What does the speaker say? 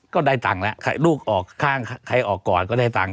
ก็ได้ตังค์แล้วลูกออกข้างใครออกก่อนก็ได้ตังค์